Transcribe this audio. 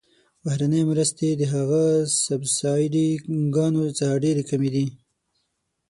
بهرنۍ مرستې د هغه سبسایډي ګانو څخه ډیرې کمې دي.